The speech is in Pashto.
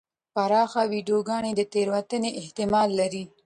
پراخه ویډیوګانې د تېروتنې احتمال لري.